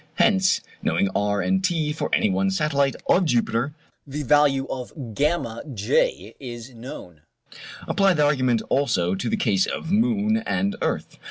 Hence, knowing r and T for any one satellite of Jupiter, the value of VJ is known. Apply the argument also to the case of moon and earth.